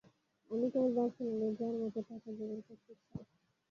আমি কেবল বার্সেলোনায় যাওয়ার মতো টাকা জোগাড় করতে চাই।